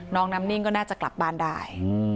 น้องน้ำนิ่งก็น่าจะกลับบ้านได้